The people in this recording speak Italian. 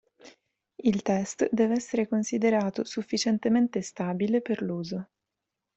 Il test deve essere considerato "sufficientemente stabile" per l'uso.